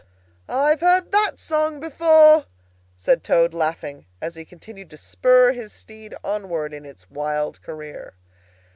"I've heard that song before," said Toad, laughing, as he continued to spur his steed onward in its wild career.